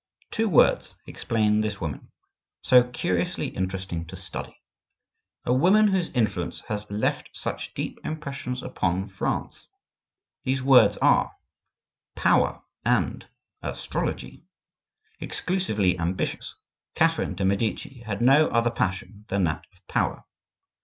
Two words explain this woman, so curiously interesting to study, a woman whose influence has left such deep impressions upon France. Those words are: Power and Astrology. Exclusively ambitious, Catherine de' Medici had no other passion than that of power.